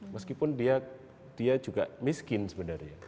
meskipun dia juga miskin sebenarnya